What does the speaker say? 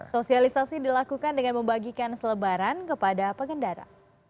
sosialisasi dilakukan dengan membagikan selebaran kepada pengendara